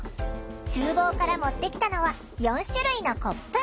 ちゅう房から持ってきたのは４種類のコップ。